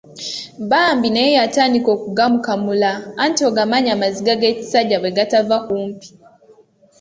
Bambi naye yatandika okugakamula anti ogamanyi amaziga g'ekisajja bwe gatava kumpi.